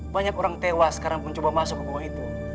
banyak orang tewas karena mencoba masuk ke gua itu